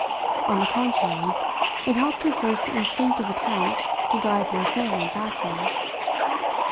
On the contrary, it helped her first instinctive attempt to drive her assailant backward.